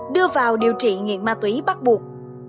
đưa vào điều trị nghiện ma túy bắt buộc